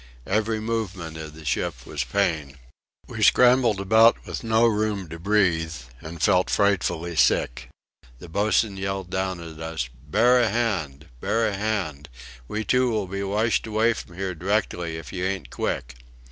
Every movement of the ship was pain. We scrambled about with no room to breathe, and felt frightfully sick. The boatswain yelled down at us: "Bear a hand! Bear a hand! We two will be washed away from here directly if you ain't quick!"